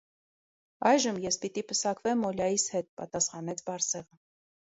- Այժմ ես պիտի պսակվեմ Օլյայիս հետ,- պատասխանեց Բարսեղը: